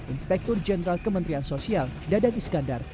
inspektur jenderal kementerian sosial dadang iskandar